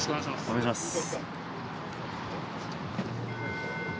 お願いします。